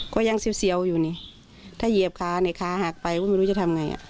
ก็ยังเสียวอยู่นี่ถ้าเหยียบขาในขาหักไปก็ไม่รู้จะทำไง